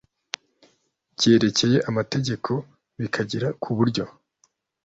byerekeye amategeko bikagera ku buryo